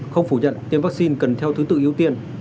không phủ nhận tiêm vaccine cần theo thứ tự ưu tiên